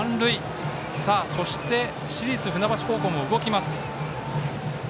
そして、市立船橋高校も動きます。